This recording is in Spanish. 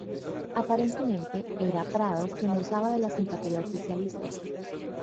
Aparentemente, era Prado quien gozaba de la simpatía oficialista.